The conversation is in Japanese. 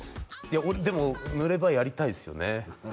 俺でも濡れ場やりたいっすよね